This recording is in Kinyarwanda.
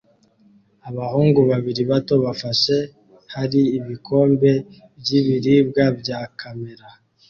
Abahungu babiri bato bafashe hari ibikombe byibiribwa bya kamera